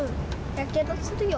やけどするよ。